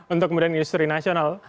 untuk kemudian industri nasional